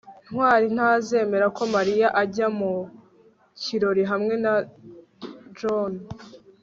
ntwali ntazemera ko mariya ajya mu kirori hamwe na john